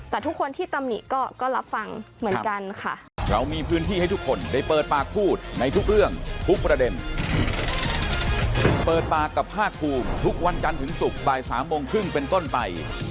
แต่ทุกคนที่ตำหนิก็รับฟังเหมือนกันค่ะ